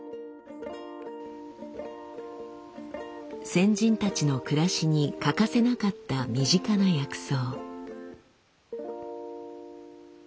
先人たちの暮らしに欠かせなかった身近な薬草。